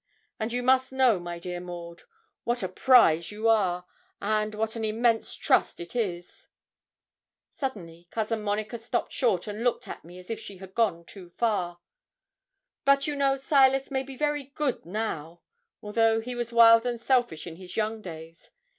And you must know, my dear Maud, what a prize you are, and what an immense trust it is.' Suddenly Cousin Monica stopped short, and looked at me as if she had gone too far. 'But, you know, Silas may be very good now, although he was wild and selfish in his young days.